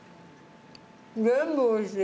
全部おいしい。